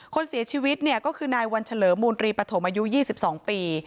คนเสียชีวิตเนี่ยก็คือนายวันเฉลิมมูลตรีปฐมอายุ๒๒ปี